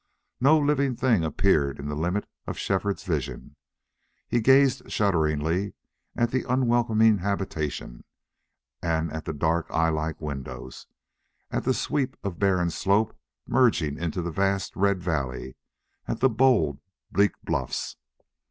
No living thing appeared in the limit of Shefford's vision. He gazed shudderingly at the unwelcoming habitation, at the dark eyelike windows, at the sweep of barren slope merging into the vast red valley, at the bold, bleak bluffs.